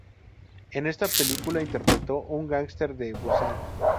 En esta película interpretó a un gángster de Busan.